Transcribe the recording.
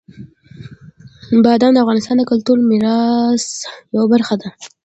بادام د افغانستان د کلتوري میراث یوه برخه ده.